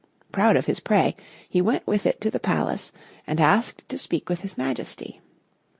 Proud of his prey, he went with it to the palace, and asked to speak with his Majesty.